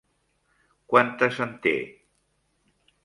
Quantes en té?